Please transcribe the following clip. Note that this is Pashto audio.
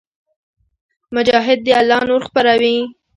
مجاهد د الله نور خپروي.